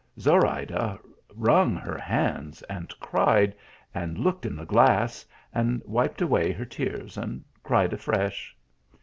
Zorayda wrung her hands and cried, and looked in the glass, and wiped away her tears, and cried afresh.